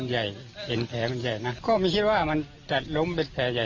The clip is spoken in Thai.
เห็นแผลใหญ่นะก็ไม่ได้รู้ว่ามันจะล้มเป็นแผลใหญ่๊